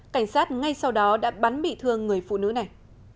cảnh sát ngay sau đó đã bắn bị thương người phụ nữ này